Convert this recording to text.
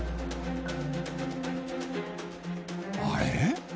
あれ？